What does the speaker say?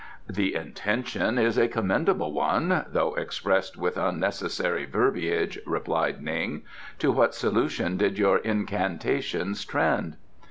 "The intention is a commendable one, though expressed with unnecessary verbiage," replied Ning. "To what solution did your incantations trend?"